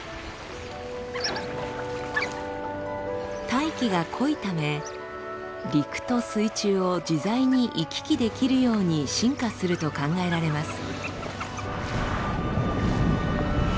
大気が濃いため陸と水中を自在に行き来できるように進化すると考えられます。